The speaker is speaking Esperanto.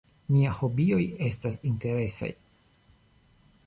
Miaj hobioj estas interesaj.